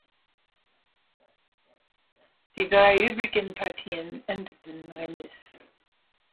Die drei übrigen Partien endeten remis.